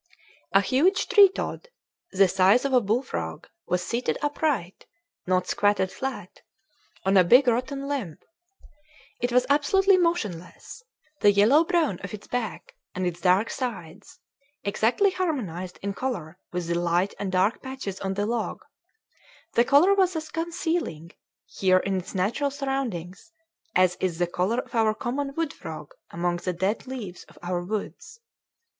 A huge tree toad, the size of a bullfrog, was seated upright not squatted flat on a big rotten limb. It was absolutely motionless; the yellow brown of its back, and its dark sides, exactly harmonized in color with the light and dark patches on the log; the color was as concealing, here in its natural surroundings, as is the color of our common wood frog among the dead leaves of our woods.